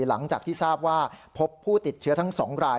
หลังจากที่ทราบว่าพบผู้ติดเชื้อทั้ง๒ราย